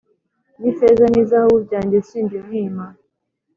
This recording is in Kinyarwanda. n’ifeza n’izahabu byanjye, simbimwima”